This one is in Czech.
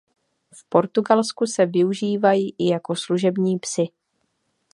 V Portugalsku se využívají i jako služební psi.